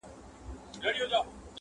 د حق د لېونیو نندارې ته ځي وګري،